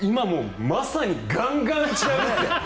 まさにガンガン打ち破って。